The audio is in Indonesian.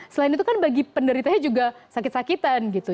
selain itu kan bagi penderitanya juga sakit sakitan gitu